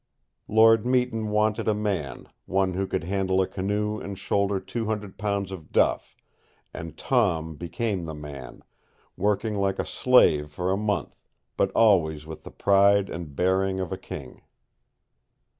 Lord Meton wanted a man one who could handle a canoe and shoulder two hundred pounds of duff; and "Tom" became the man, working like a slave for a month; but always with the pride and bearing of a king.